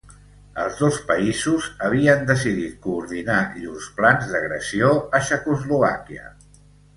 Els dos països havien decidit coordinar llurs plans d'agressió a Txecoslovàquia.